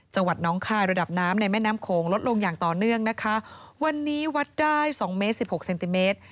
จังหวัดน้องคายระดับน้ำในแม่น้ำโขงลดลงอย่างต่อเนื่องนะคะวันนี้วัดได้สองเมตรสิบหกเซนติเมตร